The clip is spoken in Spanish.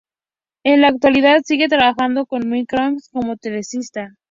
En la actualidad sigue trabajando con McCartney como teclista.